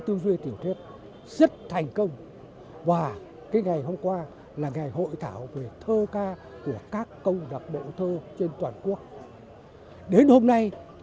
tư duyên tiểu thuyết rất thành công và cái ngày hôm qua là ngày hội thảo về thơ ca của